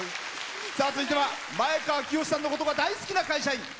さあ続いては前川清さんのことが大好きな会社員。